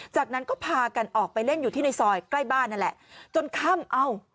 จากนั้นก็พากันออกไปเล่นอยู่ที่ในซอยใกล้บ้านนั่นแหละจนค่ำเอ้า